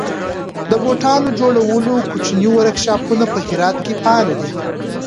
د بوټانو جوړولو کوچني ورکشاپونه په هرات کې فعال دي.